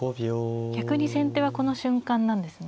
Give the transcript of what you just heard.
逆に先手はこの瞬間なんですね。